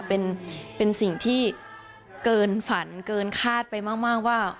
เป็นสิ่งที่เกินฝันเกินคาดไปมากว่า